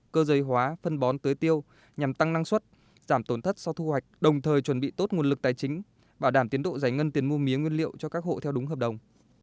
cơ giới hóa phân bón tới tiêu nhằm tăng năng suất giảm tổn thất sau thu hoạch đồng thời chuẩn bị tốt nguồn lực tài chính bảo đảm tiến độ giải ngân tiền mua mía nguyên liệu cho các hộ theo đúng hợp đồng